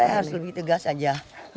saya harus lebih tegas saja